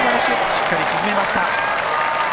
しっかり沈めました。